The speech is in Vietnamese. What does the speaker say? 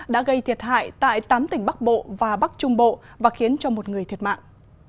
đã gây thiệt hại tại tám tỉnh bắc bộ và bắc trung bộ và khiến cho một người thiệt mạng